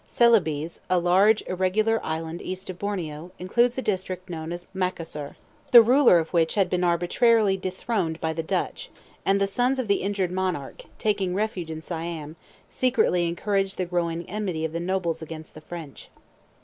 Celebes, a large, irregular island east of Borneo, includes a district known as Macassar, the ruler of which had been arbitrarily dethroned by the Dutch; and the sons of the injured monarch, taking refuge in Siam, secretly encouraged the growing enmity of the nobles against the French.